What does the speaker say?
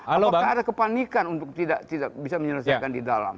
apakah ada kepanikan untuk tidak bisa diselesaikan di dalam